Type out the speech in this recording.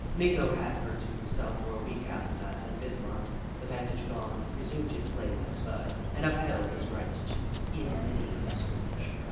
Meeko had her to himself for a week after that, then Bismarck, the bandage gone, re sumed his place at her side and upheld his right to it in many a scrimmage.